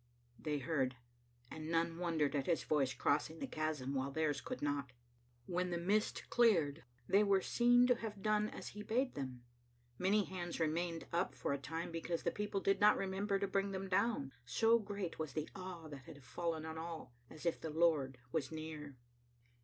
They heard, and none wondered at his voice crossing the chasm while theirs could not. When the mist cleared, they were seen to have done as he bade them. Many hands remained up for a time because the people did not remember to bring them down, so great was the awe that had fallen on all, as if the Lord was near.